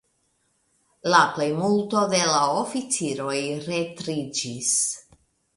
La plejmulto de la oficiroj retriĝis.